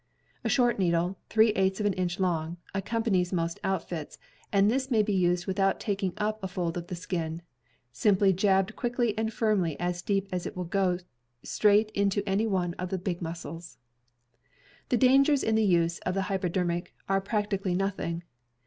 A short needle, three eighths of an inch long, accompanies most outfits, and this may be used without taking up a fold of the skin; simply jabbed quickly and firmly as deep as it wiU go straight into any one of the big muscles. The dangers in the use of the hypodermic are practically nothing.